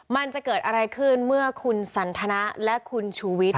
มันจะเกิดอะไรขึ้นเมื่อคุณสันทนะและคุณชูวิทย์